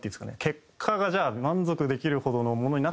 結果がじゃあ満足できるほどのものになったか。